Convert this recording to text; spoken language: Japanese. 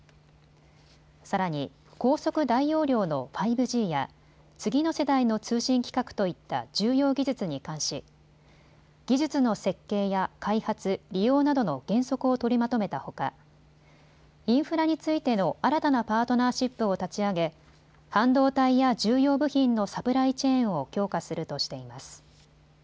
さらに高速大容量の５Ｇや次の世代の通信規格といった重要技術に関し、技術の設計や開発、利用などの原則を取りまとめたほかインフラについての新たなパートナーシップを立ち上げ半導体や重要部品のサプライチェーンを強化するとしています。